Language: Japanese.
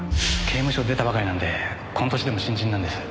刑務所出たばかりなんでこの歳でも新人なんです。